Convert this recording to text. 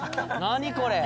何これ？